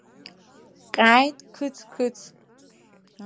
Ҟьааит, қыц, қыц!